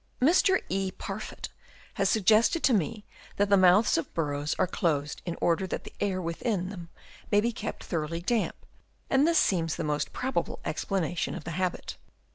Mr. E. Parfitt has suggested to me that the mouths of the burrows are closed in order that the air within them may be kept thoroughly damp, and this seems the most probable explanation of the habit.